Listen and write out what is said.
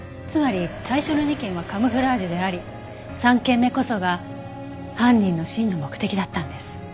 つまり最初の２件はカムフラージュであり３件目こそが犯人の真の目的だったんです。